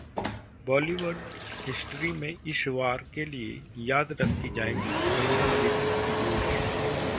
Bollywood history में इस war के लिए याद रखी जाएगी कंगना-रितिक की जोड़ी